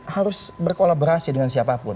harus berkolaborasi dengan siapapun